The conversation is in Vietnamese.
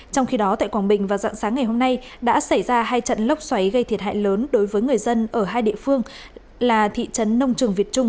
trong khi đó tại quảng bình vào dạng sáng ngày hôm nay đã xảy ra hai trận lốc xoáy gây thiệt hại lớn đối với người dân ở hai địa phương là thị trấn nông trường việt trung